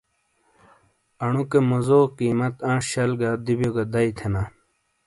انوکے موزو قیمت انش شل گہ دوبیو گہ دئی تھینا۔